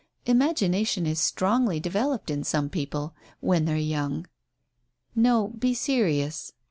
Imagination is strongly developed in some people when they're young." "No, be serious."